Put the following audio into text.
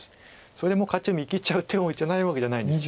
それでもう勝ち見切っちゃう手も一応ないわけじゃないんです。